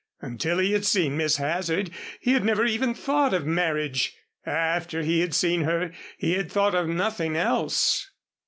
Until he had seen Miss Hazard he had never even thought of marriage. After he had seen her he had thought of nothing else.